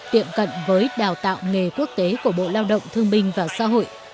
tiệm cận với đào tạo nghề quốc tế của bộ lao động thương minh và xã hội